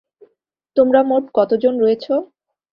তোমরা মোট কতজন রয়েছো?